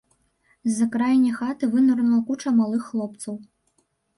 З-за крайняй хаты вынырнула куча малых хлопцаў.